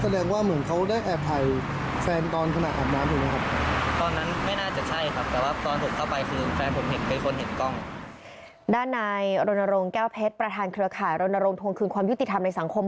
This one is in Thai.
ด้านในโรนโรงแก้วเพชรประธานเครือข่าวโรนโรงทรงคืนความยุติธรรมในสังคม